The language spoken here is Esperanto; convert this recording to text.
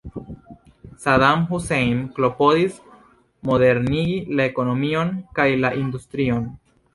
Saddam Hussein klopodis modernigi la ekonomion kaj la industrion.